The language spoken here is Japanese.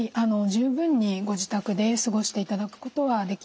十分にご自宅で過ごしていただくことはできます。